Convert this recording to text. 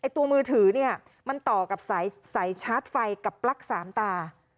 ตัวมือถือเนี่ยมันต่อกับสายชาร์จไฟกับปลั๊กสามตา